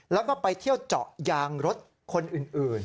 แล้วก็ไปเที่ยวเจาะยางรถคนอื่น